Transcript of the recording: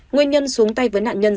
nguyên nhân xuống tay với nạn nhân